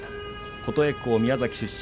琴恵光、宮崎出身